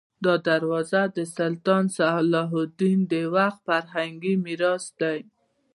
دا دروازه د سلطان صلاح الدین د وخت فرهنګي میراث دی.